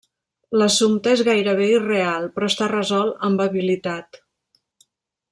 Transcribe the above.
L'assumpte és gairebé irreal, però està resolt amb habilitat.